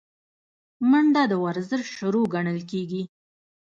منډه د ورزش شروع ګڼل کېږي